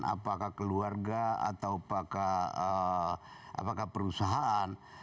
apakah keluarga atau apakah perusahaan